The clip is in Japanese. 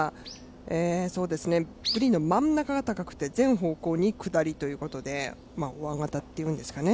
グリーンの真ん中が高くて全方向に下りということでおわん型っていうんですかね